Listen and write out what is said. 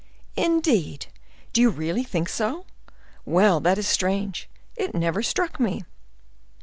"Indeed! do you really think so? Well, that is strange! It never struck me."